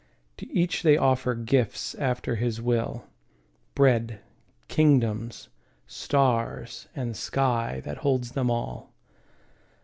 To each they offer gifts after his will, Bread, kingdoms, stars, and sky that holds them all.